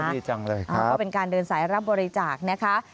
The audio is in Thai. ดีจังเลยก็เป็นการเดินสายรับบริจาคนะคะ